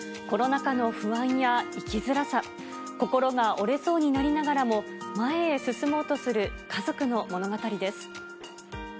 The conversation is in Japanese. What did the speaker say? コロナ禍の不安や生きづらさ、心が折れそうになりながらも、前へ進もうとする家族の物語です。